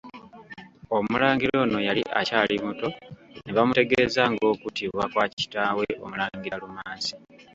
Omulangira ono yali akyali muto ne bamutegeeza ng'okuttibwa kwa kitaawe Omulangira Lumansi.